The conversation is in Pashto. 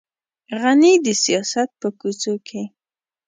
غني د سیاست په کوڅو کې.